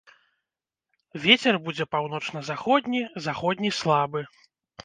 Вецер будзе паўночна-заходні, заходні слабы.